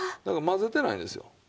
だから混ぜてないんですよ。